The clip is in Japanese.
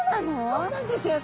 そうなんですよ！